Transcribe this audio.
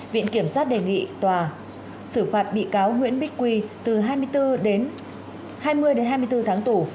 viện kiểm sát đề nghị tòa xử phạt bị cáo nguyễn bích quy từ hai mươi đến hai mươi bốn tháng tủ